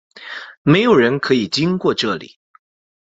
没有人可以经过这里！